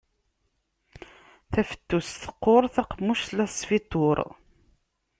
Tafettust teqqur, taqemmuct la tesfituṛ.